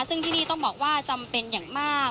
ซึ่งที่นี่ต้องบอกว่าจำเป็นอย่างมาก